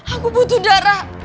aku butuh darah